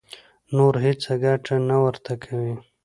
نوره هېڅ ګټه نه ورته کوي.